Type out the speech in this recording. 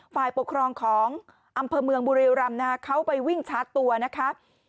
ฝ่ายปกครองของอำเภอเมืองบุรีโยรัมนะฮะเขาไปวิ่งช้าตัวนะคะ